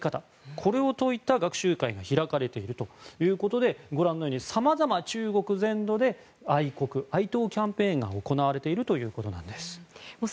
これを説いた学習会が開かれているということでご覧のようにさまざま中国全土で愛国・愛党キャンペーンが行われているということです。